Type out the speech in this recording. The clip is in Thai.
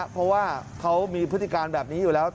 เพราะว่าเขามีพฤติการแบบนี้อยู่แล้ว